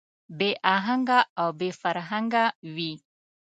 بې اهنګه او بې فرهنګه وي.